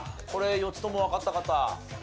これ４つともわかった方？